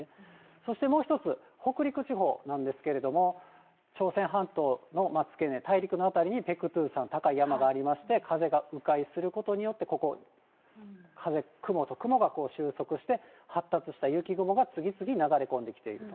そしてもう一つ、北陸地方なんですけれども、朝鮮半島の付け根、大陸の辺りにペクトゥサン、高い山がありまして、風がう回することによって、ここ、風、雲と雲が収束して、発達した雪雲が次々流れ込んできていると。